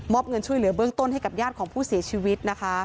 เงินช่วยเหลือเบื้องต้นให้กับญาติของผู้เสียชีวิตนะคะ